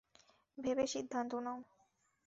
ভেবে সিদ্ধান্ত নাও।